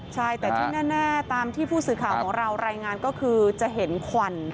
ใช่แต่ที่แน่ตามที่ผู้สื่อข่าวของเรารายงานก็คือจะเห็นควัน